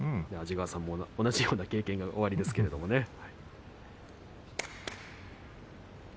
安治川さんも同じような経験がおありですけどもね。